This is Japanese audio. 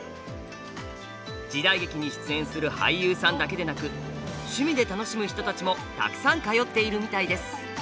時代劇に出演する俳優さんだけでなく趣味で楽しむ人たちもたくさん通っているみたいです。